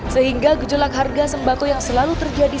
sehingga gejolak harga sembako yang selalu terjadi